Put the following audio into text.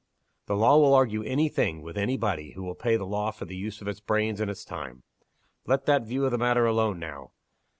"The law will argue any thing, with any body who will pay the law for the use of its brains and its time. Let that view of the matter alone now.